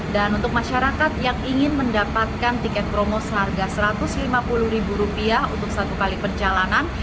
dan untuk masyarakat yang ingin mendapatkan tiket promo seharga rp satu ratus lima puluh untuk satu kali perjalanan